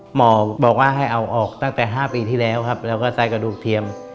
หมอบอกว่าให้เอาออกตั้งแต่๕ปีที่แล้วครับแล้วก็ใส่กระดูกเทียม